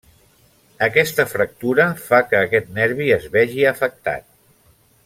Aquesta fractura fa que aquest nervi es vegi afectat.